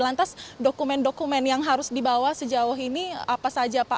lantas dokumen dokumen yang harus dibawa sejauh ini apa saja pak